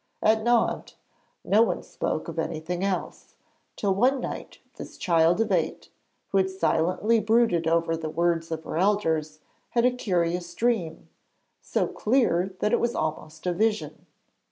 At Nohant no one spoke of anything else, till one night this child of eight, who had silently brooded over the words of her elders, had a curious dream, so clear that it was almost a vision.